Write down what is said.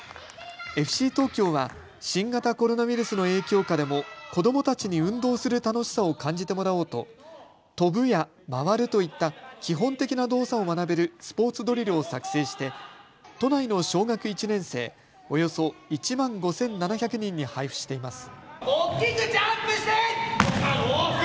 ＦＣ東京は新型コロナウイルスの影響下でも子どもたちに運動する楽しさを感じてもらおうと跳ぶや回るといった基本的な動作を学べるスポーツドリルを作成して都内の小学１年生、およそ１万５７００人に配布しています。